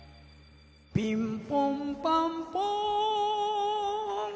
ピンポンパンポーン。